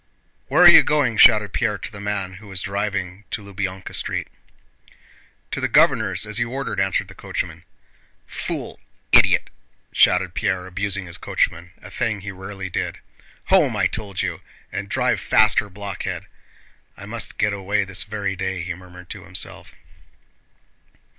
"Where are you going?" shouted Pierre to the man, who was driving to Lubyánka Street. "To the Governor's, as you ordered," answered the coachman. "Fool! Idiot!" shouted Pierre, abusing his coachman—a thing he rarely did. "Home, I told you! And drive faster, blockhead!" "I must get away this very day," he murmured to himself.